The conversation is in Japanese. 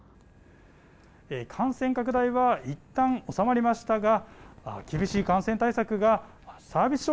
感染拡大はいったん収まりましたが厳しい感染対策がサービス